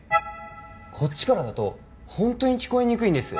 こっちからだとホントに聞こえにくいんですよ